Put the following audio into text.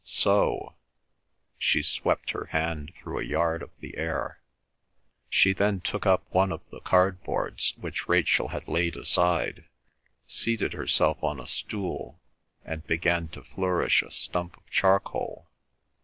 "So"—she swept her hand through a yard of the air. She then took up one of the cardboards which Rachel had laid aside, seated herself on a stool, and began to flourish a stump of charcoal.